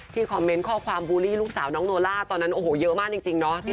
คอมเมนต์ข้อความบูลลี่ลูกสาวน้องโนล่าตอนนั้นโอ้โหเยอะมากจริงเนาะ